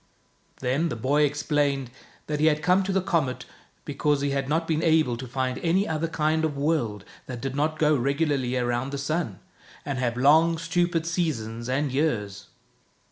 Then the boy explained that he had come to the comet because he had not been able to find any other kind of world that did not go regularly around the sun, and have long, stupid seasons and years.